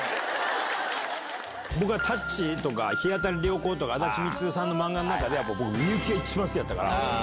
僕はタッチとか、陽あたり良好！とか、あだち充さんの漫画の中で、やっぱり僕、みゆきが一番好きだったから。